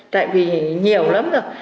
tại vì nhiều lắm rồi